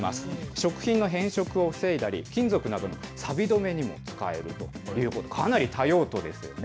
食品の変色を防いだり、金属などのさび止めなどにも使えると、かなり多用途ですよね。